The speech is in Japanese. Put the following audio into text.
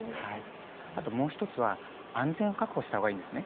あともう一つは安全を確保した方がいいんですね。